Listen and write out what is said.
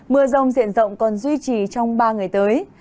mưa rông diện rộng còn duy trì trong ba ngày tới